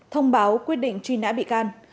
thông báo quyết định truy nã bị can